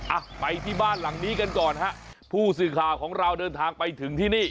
อ่ะไปที่บ้านหลังนี้กันก่อนฮะผู้สื่อข่าวของเราเดินทางไปถึงที่นี่